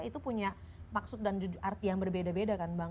itu punya maksud dan arti yang berbeda beda kan bang